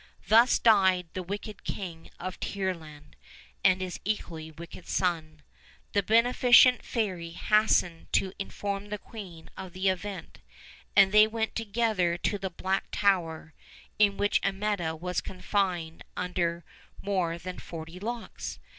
Thus died the wicked King of Tearland, and his equally wicked son. The beneficent fairy hastened to inform the queen of the event, and they went together to the black tower, in which Amietta was confined under more than forty locks.